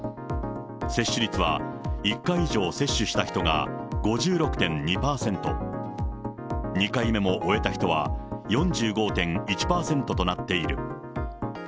接種率は、１回以上接種した人が５６．２％、２回目も終えた人は４５．１％となっている。